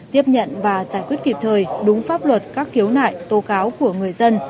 tiếp nhận và giải quyết kịp thời đúng pháp luật các khiếu nại tố cáo của người dân